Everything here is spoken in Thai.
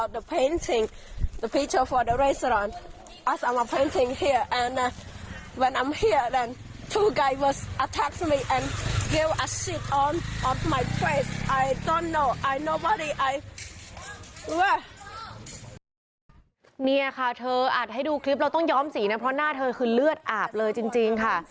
นี่ค่ะเธออัดให้ดูคลิปเราต้องย้อมสีนะเพราะหน้าเธอคือเลือดอาบเลยจริงค่ะ